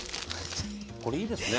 これいいですね。